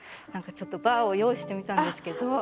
何かちょっとバーを用意してみたんですけど。